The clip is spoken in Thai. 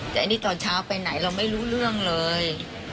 แต่อันนี้ตอนเช้าไปไหนเราไม่รู้เรื่องเลย